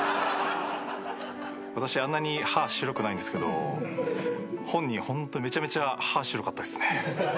私あんなに歯白くないんですけど本人ホントめちゃめちゃ歯白かったですね。